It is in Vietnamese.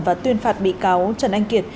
và tuyên phạt bị cáo trần anh kiệt